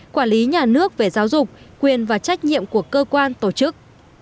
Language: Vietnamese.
quản lý nhà nước về giáo dục quyền và trách nhiệm của cơ quan tổ chức